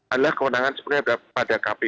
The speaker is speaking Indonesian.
adalah kewenangan sebenarnya pada kpu